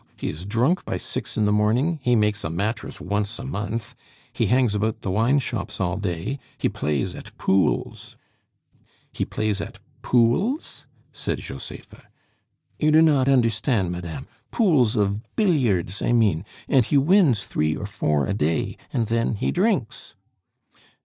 He is drunk by six in the morning; he makes a mattress once a month; he hangs about the wineshops all day; he plays at pools " "He plays at pools?" said Josepha. "You do not understand, madame, pools of billiards, I mean, and he wins three or four a day, and then he drinks."